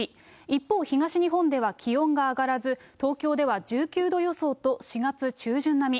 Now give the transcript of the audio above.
一方、東日本では気温が上がらず、東京では１９度予想と４月中旬並み。